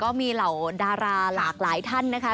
ก็มีเหล่าดาราหลากหลายท่านนะคะ